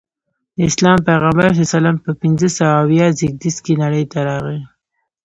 د اسلام پیغمبر ص په پنځه سوه اویا زیږدیز کې نړۍ ته راغی.